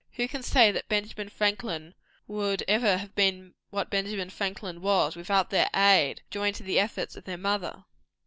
Who can say that Benjamin Franklin would ever have been what Benjamin Franklin was, without their aid, joined to the efforts of their mother?